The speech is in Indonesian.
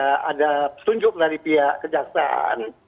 ada petunjuk dari pihak kejaksaan